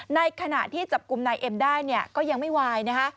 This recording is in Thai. ในขณะที่จับกลุ่มนายเอ็มได้ก็ยังไม่ไหว